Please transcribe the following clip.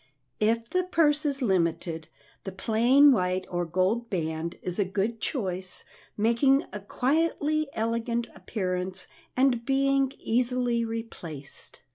If the purse is limited, the plain white or gold band is a good choice, making a quietly elegant appearance and being easily replaced.